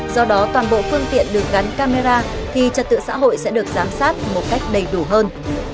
do đó toàn bộ phương tiện được gắn camera thì trật tự xã hội sẽ được giám sát một cách đầy đủ hơn